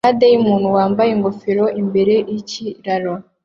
Sitade yumuntu wambaye ingofero imbere yikiraro